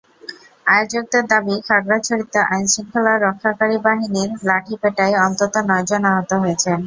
আয়োজকদের দাবি, খাগড়াছড়িতে আইনশৃঙ্খলা রক্ষাকারী বাহিনীর লাঠিপেটায় অন্তত নয়জন আহত হয়েছেন।